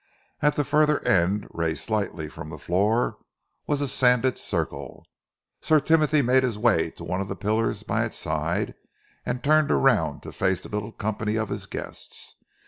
At the further end, raised slightly from the floor, was a sanded circle. Sir Timothy made his way to one of the pillars by its side and turned around to face the little company of his guests.